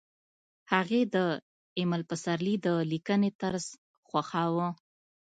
هغې د ایمل پسرلي د لیکنې طرز خوښاوه